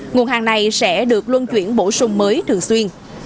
nguồn hàng này sẽ được luân chuyển bổ sung mới thường xuyên